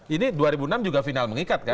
ini dua ribu enam juga final mengikat kan